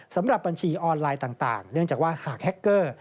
สำหรับบัญชีออนไลน์ต่างเนื่องจากว่าหากแฮคเกอร์